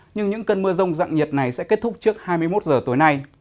nhưng những cơn mưa rông dặn nhiệt này sẽ kết thúc trước hai mươi một giờ tối nay